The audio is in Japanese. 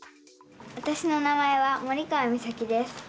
わたしの名前は森川実咲です。